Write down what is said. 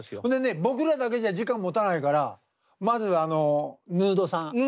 んでね僕らだけじゃ時間もたないからまずヌードさん。